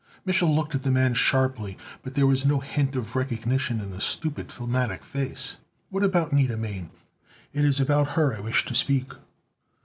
Mich'l looked at the man sharply, but there was no hint of recognition in the stupid, phlegmatic face. "What about Nida Mane? It is about her I wish to speak."